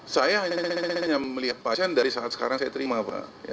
saya hanya melihat pasien dari saat sekarang saya terima pak